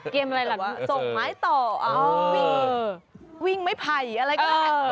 เกมอะไรล่ะสกไม้ต่อวิ่งไม่ไผ่อะไรแบบนี้